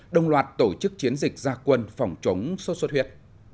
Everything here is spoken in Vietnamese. đồng loạt tổ chức chiến dịch gia quân phòng chống sốt xuất huyết